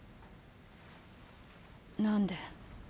何で？